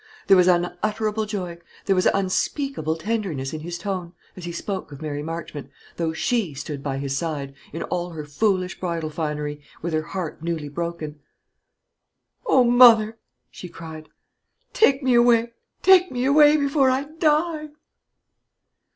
There was unutterable joy, there was unspeakable tenderness in his tone, as he spoke of Mary Marchmont, though she stood by his side, in all her foolish bridal finery, with her heart newly broken. "O mother," she cried, "take me away! take me away, before I die!"